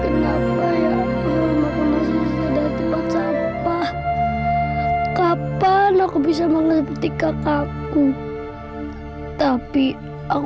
kenapa ya aku makan nasi sedang tebak sampah kapan aku bisa mengerti kakakku tapi aku